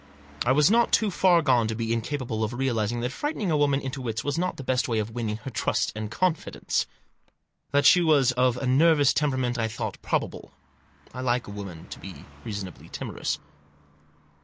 I was not too far gone to be incapable of realising that frightening a woman into fits was not the best way of winning her trust and confidence. That she was of a nervous temperament I thought probable. I like a woman to be reasonably timorous.